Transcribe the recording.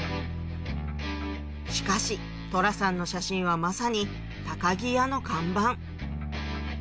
しかし寅さんの写真はまさに木屋の看板